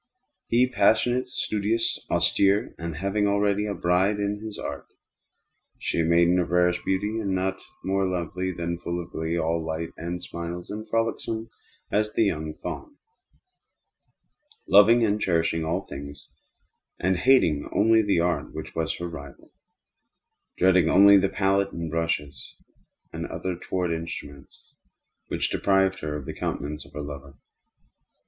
He, passionate, studious, austere, and having already a bride in his Art; she a maiden of rarest beauty, and not more lovely than full of glee; all light and smiles, and frolicsome as the young fawn; loving and cherishing all things; hating only the Art which was her rival; dreading only the pallet and brushes and other untoward instruments which deprived her of the countenance of her lover.